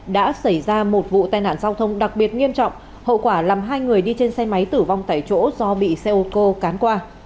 đã xảy ra một vụ tai nạn giao thông đặc biệt nghiêm trọng hậu quả làm hai người đi trên xe máy tử vong tại chỗ do bị xe ô tô cán qua